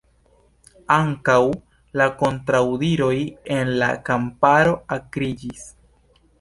Ankaŭ la kontraŭdiroj en la kamparo akriĝis.